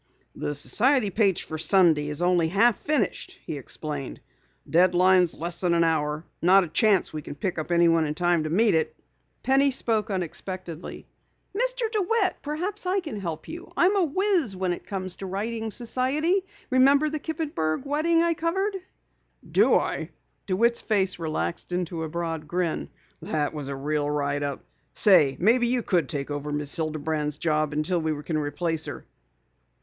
"The society page for the Sunday paper is only half finished," he explained. "Deadline's in less than an hour. Not a chance we can pick up anyone in time to meet it." Penny spoke unexpectedly. "Mr. DeWitt, perhaps I can help you. I'm a whiz when it comes to writing society. Remember the Kippenberg wedding I covered?" "Do I?" DeWitt's face relaxed into a broad grin. "That was a real write up. Say, maybe you could take over Miss Hilderman's job until we can replace her."